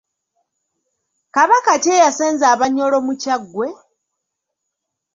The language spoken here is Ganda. Kabaka ki eyasenza Abanyoro mu Kyaggwe?